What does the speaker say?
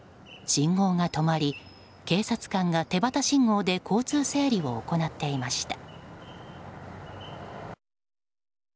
信号が止まり警察官が手旗信号で交通整理を行っていました。